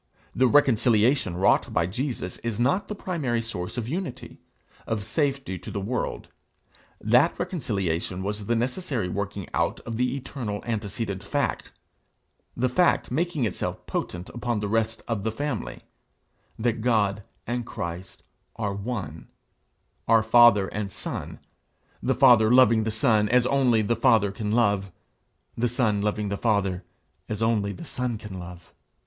The reconciliation wrought by Jesus is not the primary source of unity, of safety to the world; that reconciliation was the necessary working out of the eternal antecedent fact, the fact making itself potent upon the rest of the family that God and Christ are one, are father and son, the Father loving the Son as only the Father can love, the Son loving the Father as only the Son can love.